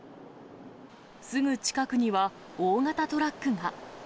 すぐ近くには、大型トラックが。